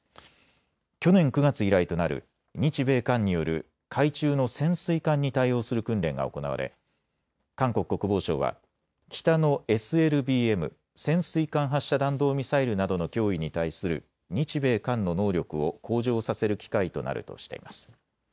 去年９月以来となる日米韓による海中の潜水艦に対応する訓練が行われ韓国国防省は北のＳＬＢＭ・潜水艦発射弾道ミサイルなどの脅威に対する日米韓の能力を向上させる機会となるとしています。